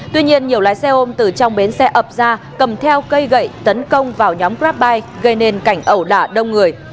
tuy nhiên nhiều lái xe ôm từ trong bến xe ập ra cầm theo cây gậy tấn công vào nhóm grabbuy gây nên cảnh ẩu đả đông người